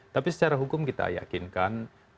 tapi secara hukum kita yakinkan